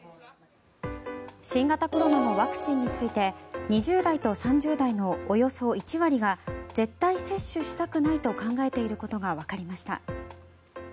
新型コロナのワクチンについて２０代と３０代のおよそ１割が絶対接種したくないと考えていることがわかりました。